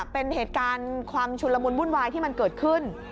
เป็นเหตุการณ์ความชุนละมุนวุ่นวายที่มันเกิดขึ้น